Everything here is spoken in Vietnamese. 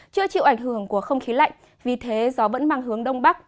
chưa chịu ảnh hưởng của không khí lạnh vì thế gió vẫn mang hướng đông bắc